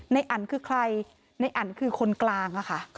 อันคือใครในอันคือคนกลางค่ะ